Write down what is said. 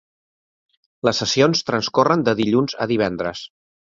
Les sessions transcorren de dilluns a divendres.